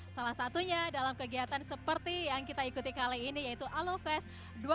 salah satunya dalam kegiatan seperti yang kita ikuti kali ini yaitu alo fest dua ribu dua puluh